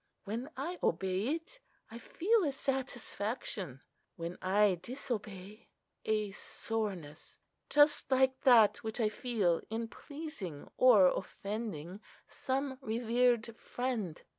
When I obey it, I feel a satisfaction; when I disobey, a soreness—just like that which I feel in pleasing or offending some revered friend.